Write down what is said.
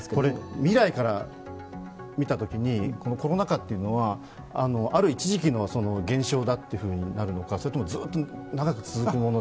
未来から見たときにコロナ禍というのはある一時期の現象だというふうになるのか、それともずっと長く続くものか。